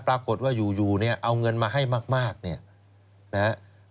ปรากฏว่าอยู่เนี่ยเอาเงินมาให้มากเนี่ยนะฮะ